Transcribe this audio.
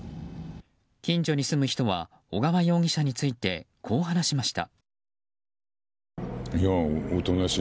近所に住む人は小川容疑者についてこう話しました。